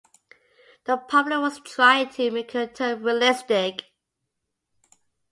The problem was trying to make her turn realistic.